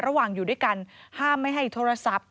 อยู่ด้วยกันห้ามไม่ให้โทรศัพท์